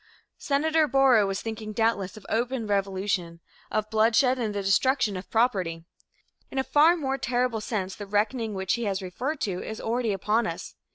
Senator Borah was thinking, doubtless, of open revolution, of bloodshed and the destruction of property. In a far more terrible sense, the reckoning which he has referred to is already upon us.